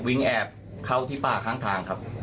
แอบเข้าที่ป่าข้างทางครับ